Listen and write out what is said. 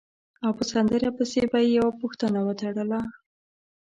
او په سندره پسې به یې یوه پوښتنه وتړله.